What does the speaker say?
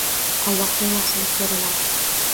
Allohdan yaxshilik so‘raladi.